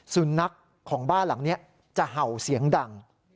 สุนัขของบ้านหลังนี้จะเห่าเสียงดัง